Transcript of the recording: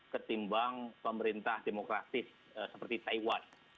ketimbang pemerintah demokratis seperti taiwan